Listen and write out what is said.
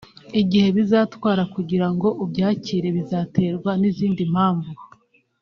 Igihe bizatwara kugira ngo ubyakire bizaterwa n’izindi mpamvu